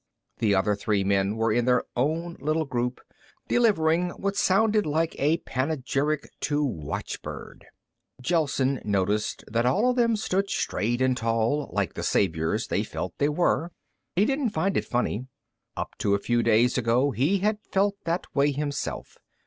The other three men were in their own little group, delivering what sounded like a panegyric to watchbird. Gelsen noticed that all of them stood straight and tall, like the saviors they felt they were. He didn't find it funny. Up to a few days ago he had felt that way himself.